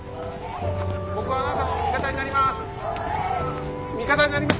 僕はあなたの味方になります。